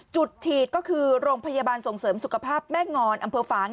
จุดฉีดก็คือโรงพยาบาลส่งเสริมสุขภาพแม่งอนอำเภอฝาง